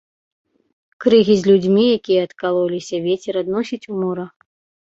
Крыгі з людзьмі, якія адкалоліся, вецер адносіць у мора.